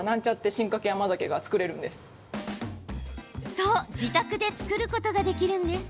そう、自宅で作ることができるんです。